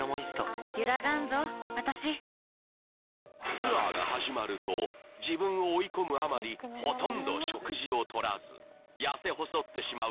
ツアーが始まると自分を追い込むあまりほとんど食事をとらず痩せ細ってしまう